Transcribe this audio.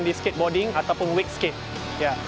di skateboarding ataupun week skate